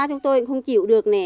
chúng tôi cũng không chịu được nè